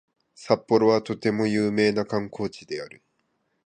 札幌はとても有名な観光地である